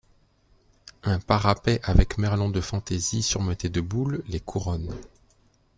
Un parapet avec merlons de fantaisie surmontés de boules les couronne.